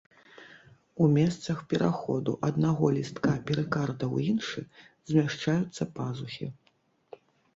У месцах пераходу аднаго лістка перыкарда ў іншы змяшчаюцца пазухі.